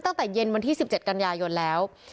ตั้งแต่เย็นวันที่๑๗กันยายนแล้ว